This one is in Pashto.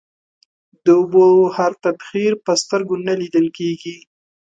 د اوبو هر تبخير په سترگو نه ليدل کېږي.